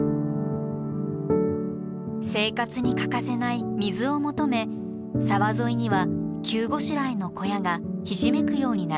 生活に欠かせない水を求め沢沿いには急ごしらえの小屋がひしめくように並びました。